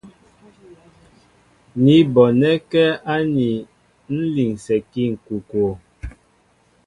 Ní bonɛ́kɛ́ aní ń linsɛkí ŋ̀kokwo.